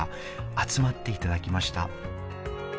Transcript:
集まっていただきました。